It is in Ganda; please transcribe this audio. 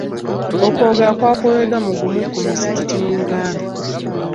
Okwogerwa kwakoleddwa mu gumu ku mizikiti mu Uganda.